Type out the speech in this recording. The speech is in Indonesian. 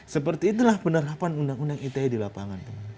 seperti itulah penerapan undang undang ite di lapangan